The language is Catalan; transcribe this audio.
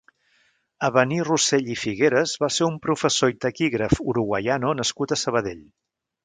Avenir Rosell i Figueras va ser un professor i taquígraf uruguaiano nascut a Sabadell.